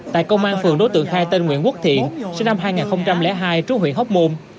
tại công an phường đối tượng khai tên nguyễn quốc thiện sinh năm hai nghìn hai trú huyện hóc môn